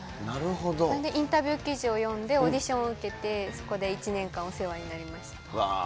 それで、インタビュー記事を読んで、オーディションを受けて、そこで１年間お世話になりました。